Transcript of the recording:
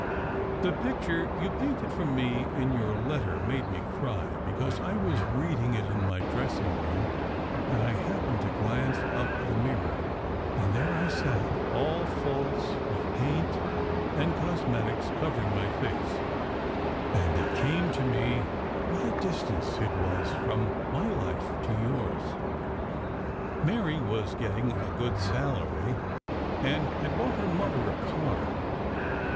The picture you painted for me in your letter made me cry, because I was reading it in my dressing room, and I happened to glance up at a mirror, and there I sat, all false, with paint and cosmetics covering my face, and it came to me what a distance it was from my life to yours. Mary was getting a good salary, and had bought her mother a car.